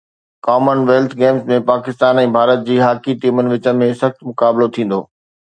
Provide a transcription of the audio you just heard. ڪمن wealth Games ۾ Pakistan ۽ Bharat جي hockey ٽيمن وچ ۾ سخت مقابلو ٿيندو